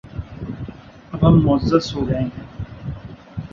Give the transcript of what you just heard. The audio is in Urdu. اب ہم معزز ہو گئے ہیں